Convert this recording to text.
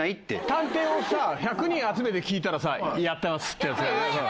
探偵をさ１００人集めて聞いたらさやってますってやつが。